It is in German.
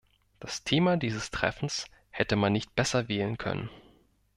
Das Thema dieses Treffens hätte man nicht besser wählen können.